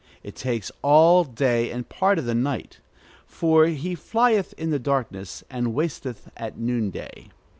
It takes all day and part of the night. For he flieth in the darkness, and wasteth at noonday.